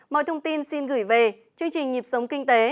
mọi thông tin xin gửi về chương trình nhịp sống kinh tế